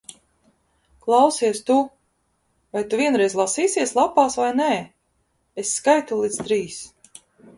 Klausies tu! Vai tu vienreiz lasīsies lapās, vai nē? Es skaitu līdz trīs.